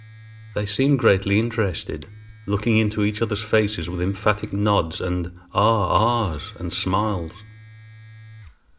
They seemed greatly interested, looking into each other's faces with emphatic nods and a ahs and smiles.